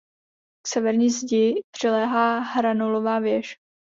K severní zdi přiléhá hranolová věž.